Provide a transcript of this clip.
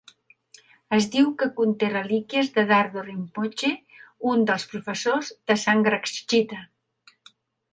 Es diu que conté relíquies de Dhardo Rimpoche, un dels professors de Sangharakshita.